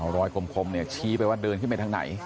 คมเนี่ยชี้ไปว่าเดินขึ้นไปทางไหน